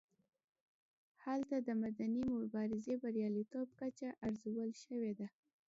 هلته د مدني مبارزې د بریالیتوب کچه ارزول شوې ده.